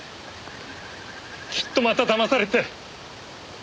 きっとまただまされて。